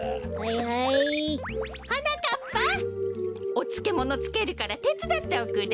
おつけものつけるからてつだっておくれ。